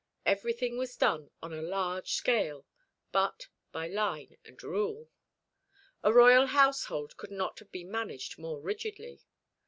Everything was done on a large scale, but by line and rule. A royal household could not have been managed more rigidly.